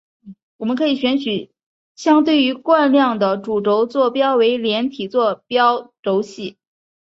我们可以选取相对于惯量的主轴坐标为体坐标轴系。